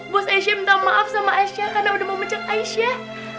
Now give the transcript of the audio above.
bos aisyah minta maaf sama aisyah karena udah memecek aisyah